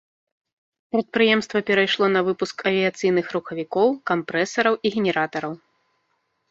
Прадпрыемства перайшло на выпуск авіяцыйных рухавікоў, кампрэсараў і генератараў.